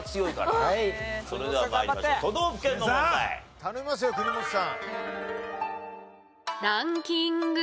頼みますよ国本さん。